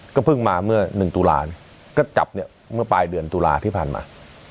ก็เพิ่งมาเมื่อ๑ตุลาก็จับเนี่ยเมื่อปลายเดือนตุลาที่ผ่านมา